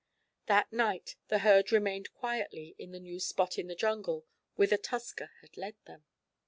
That night the herd remained quietly in the new spot in the jungle whither Tusker had led them.